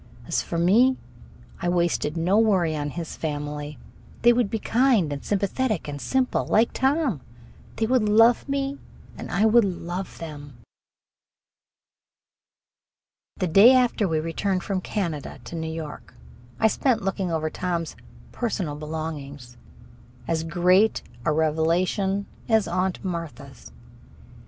As for me, I wasted no worry on his family. They would be kind and sympathetic and simple, like Tom. They would love me and I would love them. The day after we returned from Canada to New York I spent looking over Tom's "personal belongings" as great a revelation as Aunt Martha's.